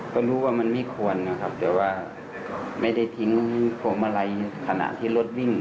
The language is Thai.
ก็รู้ว่ามันไม่ควรนะครับแต่ว่าไม่ได้ทิ้งพวงมาลัยขณะที่รถวิ่ง